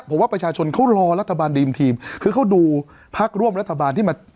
ผมว่าประชาชนเขารอรัฐบาลดีมทีมคือเขาดูพักร่วมรัฐบาลที่มา